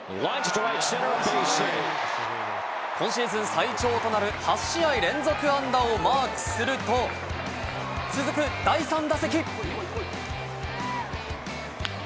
今シーズン最長となる８試合連続安打をマークすると続く第３打席。